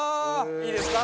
いいですか？